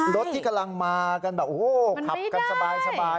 รถที่กำลังมากันแบบโอ้โหขับกันสบาย